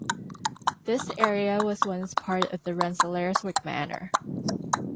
This area was once part of the Rensselaerwyck manor.